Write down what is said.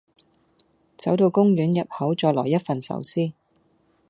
走到公園入口再來一份壽司